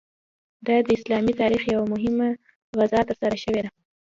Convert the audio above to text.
دا د اسلامي تاریخ یوه مهمه غزا ترسره شوې ده.